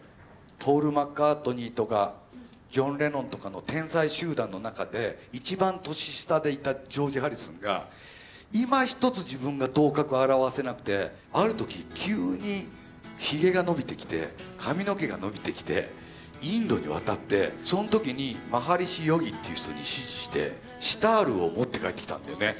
ポール・マッカートニーとかジョン・レノンとかの天才集団の中で一番年下でいたジョージ・ハリスンがいまひとつ自分が頭角を現せなくてある時急にひげが伸びてきて髪の毛が伸びてきてインドに渡ってその時にマハリシヨギっていう人に師事してシタールを持って帰ってきたんだよね。